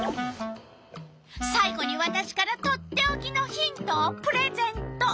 さい後にわたしからとっておきのヒントをプレゼント。